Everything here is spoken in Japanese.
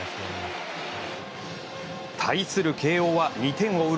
対する慶應は２点を追う